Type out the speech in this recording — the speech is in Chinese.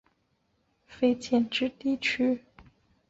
哈尚丘奇格是位于美国亚利桑那州皮马县的一个非建制地区。